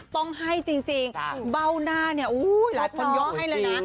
ต้องให้จริงเบ้าหน้าเนี่ยหลายคนยกให้เลยนะ